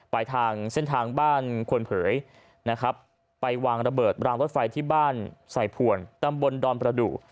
ไปทางเส้นทางบ้านควนเผยนะครับไปวางระเบิดรางรถไฟที่บ้านใส่ผ่วนตำบลดอนประดูก